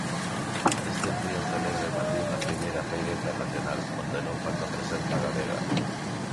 Estes días celebra en Madrid a primeira feira internacional, onde non falta presenza galega.